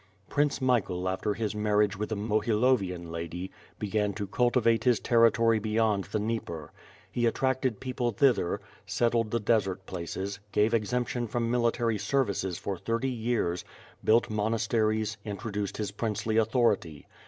Prince Michael after his marriage with a Mohilovian lady, began to cultivate his territory beyond the Dnieper. He attracted people thither, settled the desert places, gave exemption from military services for thirty years, built moi asteries, introduced his princely authority.